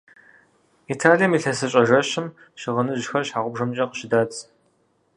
Италием ИлъэсыщӀэ жэщым щыгъыныжьхэр щхьэгъубжэмкӀэ къыщыдадз.